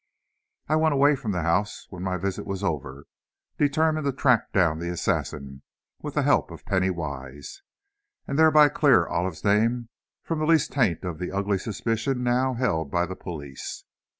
I went away from the house, when my visit was over, determined to track down the assassin, with the help of Penny Wise, and thereby clear Olive's name from the least taint of the ugly suspicion now held by the police.